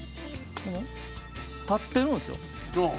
立ってるんですよ。